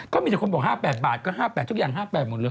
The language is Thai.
ก็มีแต่คนบอก๕๘บาทก็๕๘ทุกอย่าง๕๘หมดเลย